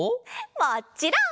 もっちろん！